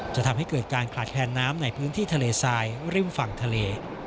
จะทำให้เกิดการขาดแคลนน้ำในพื้นที่ทะเลทรายริมฝั่งทะเล